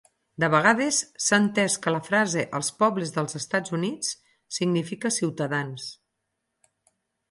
De vegades, s'ha entès que la frase "el poble dels Estats Units" significa "ciutadans".